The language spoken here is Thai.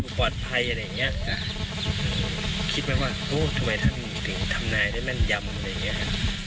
คิดไหมว่าทำไหนท่านทำนายได้แม่นยำ